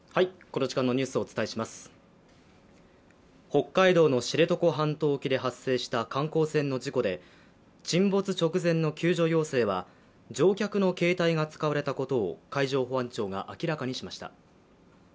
北海道の知床半島沖で発生した観光船の事故で沈没直前の救助要請は乗客の携帯が使われたことを海上保安庁が明らかにしました。